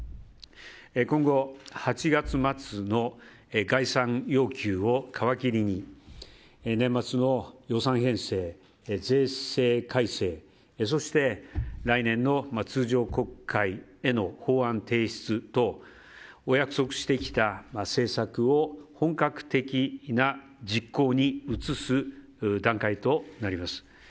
今後、８月末の概算要求を皮切りに年末の予算編成、税制改正そして来年の通常国会への法案提出とお約束してきた政策を、本格的な実行に移す段階となります。